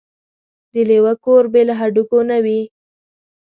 ـ د لېوه کور بې له هډوکو نه وي.